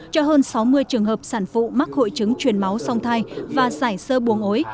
cho hơn sáu mươi trường hợp sản phụ mắc hội chứng chuyển máu song thai và giải sơ buồng ối